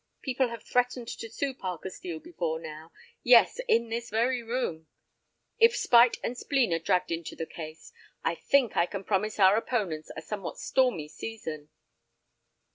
People have threatened to sue Parker Steel before now—yes, in this very room. If spite and spleen are dragged into the case, I think I can promise our opponents a somewhat stormy season."